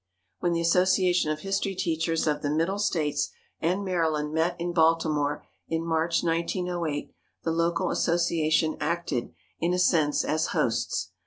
When the Association of History Teachers of the Middle States and Maryland met in Baltimore, in March, 1908, the local association acted, in a sense, as hosts.